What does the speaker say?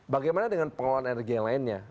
bagaimana dengan pengelolaan energi yang lainnya